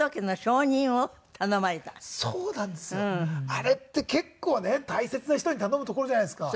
あれって結構ね大切な人に頼むところじゃないですか。